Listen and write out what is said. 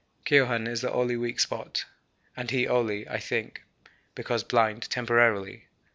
Keohane is the only weak spot, and he only, I think, because blind (temporarily).